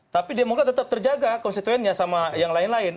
tapi demokrat tetap terjaga konstituennya sama yang lain lain